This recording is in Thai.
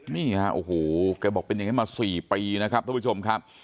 นี่ฮะโอ้โหแกบอกเป็นอย่างนี้มา๔ปีนะครับทุกผู้ชมครับ